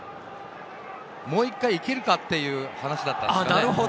もう１回行けるか？っていう話だったんですね。